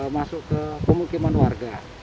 masuk ke pemukiman warga